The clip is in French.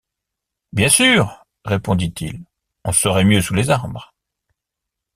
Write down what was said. Bien sûr, répondit-il, on serait mieux sous les arbres...